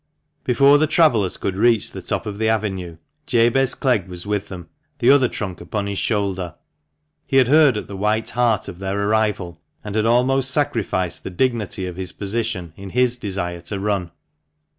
Before the travellers could reach the top of the avenue Jabez Clegg was with them, the other trunk upon his shoulder. He had heard at the "White Hart" of their arrival, and had almost sacrificed the dignity of his position in his desire to run.